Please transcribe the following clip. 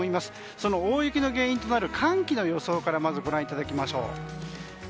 その大雪の原因となる寒気の予想からまず、ご覧いただきましょう。